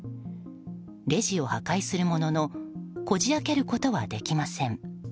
レジを破壊するもののこじ開けることはできません。